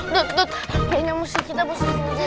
dut dut kayaknya musuh kita musuhin dulu deh